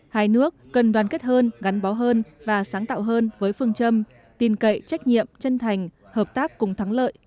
hai nước cần đoàn kết hơn gắn bó hơn và sáng tạo hơn với phương châm tin cậy trách nhiệm chân thành hợp tác cùng thắng lợi